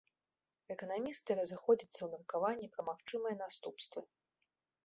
Эканамісты разыходзяцца ў меркаванні пра магчымыя наступствы.